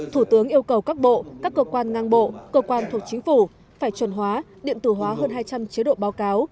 thủ tướng yêu cầu các bộ các cơ quan ngang bộ cơ quan thuộc chính phủ phải chuẩn hóa điện tử hóa hơn hai trăm linh chế độ báo cáo